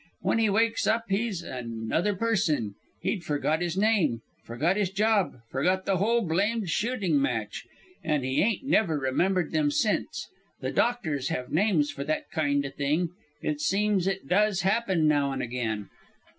When he wakes up he's another person; he'd forgot his name, forgot his job, forgot the whole blamed shooting match. And he ain't never remembered them since. The doctors have names for that kind o' thing. It seems it does happen now and again.